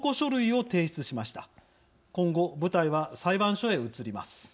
今後舞台は裁判所へ移ります。